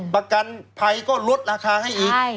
ประกันภัยก็ลดราคาให้อีก